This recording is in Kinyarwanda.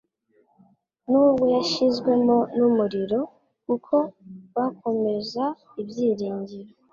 nubwo yashizwemo n'umuriro kuko bakomeza Ibyiringiro